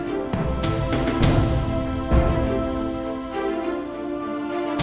silah alasan weapons vinck